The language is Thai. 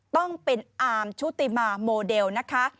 ต้องเป็นอาร์มชุติมาโมเดลนะคะ